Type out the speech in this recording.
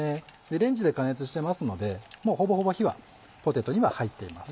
レンジで加熱してますのでもうほぼほぼ火はポテトには入っています。